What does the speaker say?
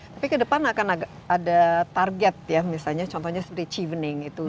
tapi ke depan akan ada target ya misalnya contohnya dari chievening itu